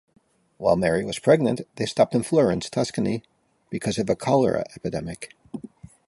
While Mary was pregnant, they stopped in Florence, Tuscany, because of a cholera epidemic.